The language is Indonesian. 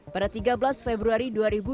pada tiga belas februari dua ribu dua puluh